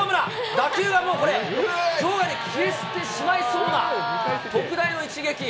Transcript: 打球はもうこれ、場外に消えてしまいそうな特大の一撃。